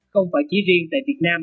không phải chỉ riêng tại việt nam